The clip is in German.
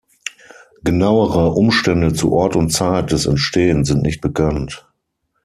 Genauere Umstände zu Ort und Zeit des Entstehens sind nicht bekannt.